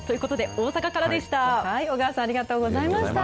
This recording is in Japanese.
小川さん、ありがとうございました。